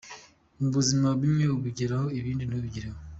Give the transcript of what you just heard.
Mu buzima bimwe ubigeraho ibindi ntubigereho.